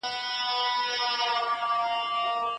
بد زړه تل غم خپروي